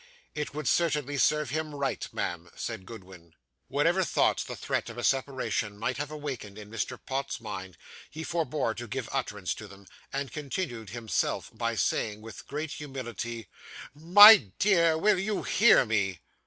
'It would certainly serve him right, ma'am,' said Goodwin. Whatever thoughts the threat of a separation might have awakened in Mr. Pott's mind, he forbore to give utterance to them, and contented himself by saying, with great humility: 'My dear, will you hear me?